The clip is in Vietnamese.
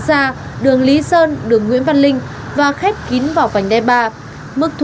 dạ anh em đợi anh chút